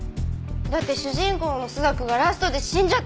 だって主人公の朱雀がラストで死んじゃったんですから！